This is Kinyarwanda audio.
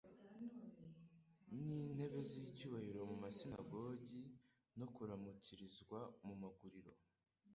n'intebe z'icyubahiro mu masinagogi, no kuramukirizwa mu magurilo,